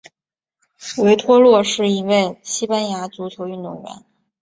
维托洛是一位西班牙足球运动员。